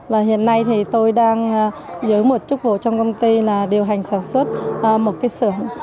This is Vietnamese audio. và hiện nay thì tôi đang dưới một chức vụ trong công ty là điều hành sản xuất một cái xưởng